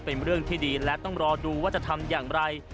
เป็นเรื่องที่ดีและต้องรอดูว่าจะทำอย่างไร